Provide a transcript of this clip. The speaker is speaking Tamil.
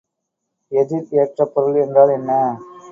எதிர் ஏற்றப் பொருள் என்றால் என்ன?